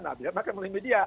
nah makanya main media